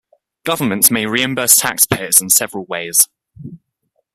Governments may reimburse taxpayers in several ways.